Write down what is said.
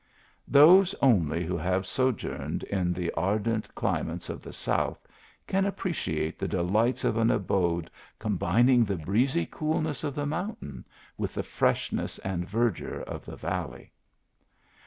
Those, only, who have sojourned in the ardent climates of the South, can appreciate the delights of an abode combining Lie breezy coolness of the INTERIOR OF THE ALHAMBRA. 39 mountain with the freshness and verdure of the valley.